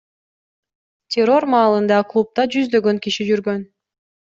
Террор маалында клубда жүздөгөн киши жүргөн.